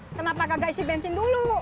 kenapa kagak isi bensin dulu